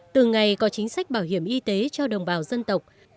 từ ngày có chính sách bảo hiểm y tế cho đồng bào dân tộc